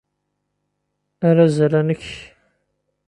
Arazal-a nnek.